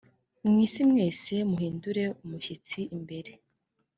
mu isi mwese mwe muhindire umushyitsi imbere